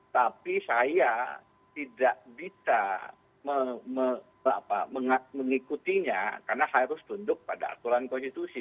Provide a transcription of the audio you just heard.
tapi saya tidak bisa mengikutinya karena harus tunduk pada aturan konstitusi